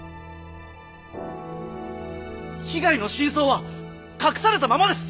被害の真相は隠されたままです！